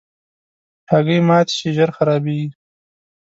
هګۍ مات شي، ژر خرابیږي.